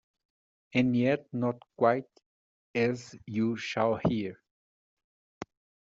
And yet not quite, as you shall hear.